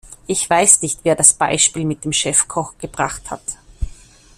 Ich weiß nicht, wer das Beispiel mit dem Chefkoch gebracht hat.